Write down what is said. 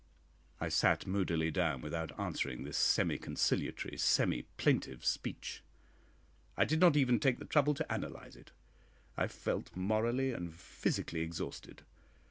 I sat moodily down without answering this semi conciliatory, semi plaintive speech. I did not even take the trouble to analyse it. I felt morally and physically exhausted.